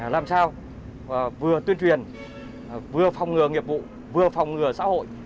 làm sao vừa tuyên truyền vừa phòng ngừa nghiệp vụ vừa phòng ngừa xã hội